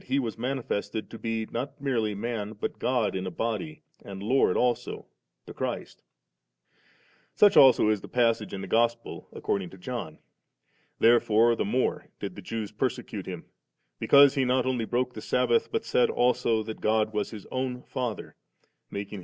He was manifested to be not merely man, but God in a body and Lord also, the Christ Such also is the passage in the Gospel according to John, ' Therefore the more did the Jews persecute Him, because He not only broke the Sabbath, but said also that God was His own Father, making Himself * Bnxker dtZtmm,§ 7.